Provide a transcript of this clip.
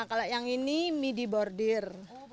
kalau yang ini midi bordir